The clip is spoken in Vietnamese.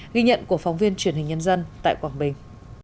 ghi nhận của phóng viên truyền hình nhân dân tại quảng bình